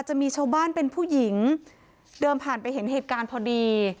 จะมีชาวบ้านเป็นผู้หญิงเดินผ่านไปเห็นเหตุการณ์พอดี